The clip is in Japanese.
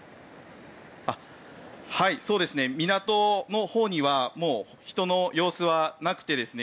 港のほうにはもう人の様子はなくてですね